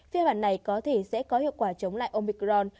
phiên bản này có thể sẽ có hiệu quả chống lại omicron